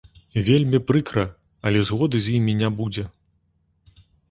Вельмі прыкра, але згоды з імі не будзе.